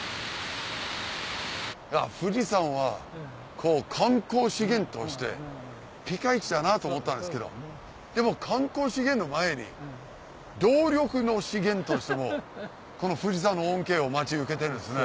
富士山は観光資源としてピカイチだなと思ったんですけどでも観光資源の前に動力の資源としてもこの富士山の恩恵を受けてるんですね。